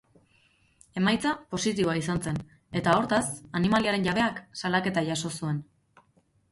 Emaitza positiboa izan zen eta, hortaz, animaliaren jabeak salaketa jaso zuen.